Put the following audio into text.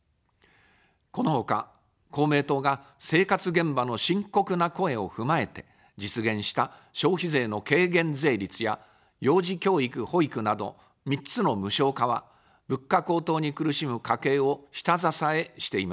このほか、公明党が生活現場の深刻な声を踏まえて実現した消費税の軽減税率や幼児教育・保育など３つの無償化は、物価高騰に苦しむ家計を下支えしています。